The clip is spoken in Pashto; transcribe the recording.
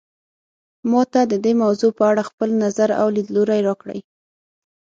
ما ته د دې موضوع په اړه خپل نظر او لیدلوری راکړئ